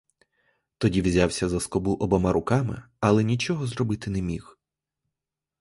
Тоді взявся за скобу обома руками, але нічого зробити не міг.